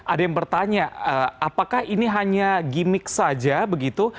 ada yang bertanya apakah ini hanya gimmick saja begitu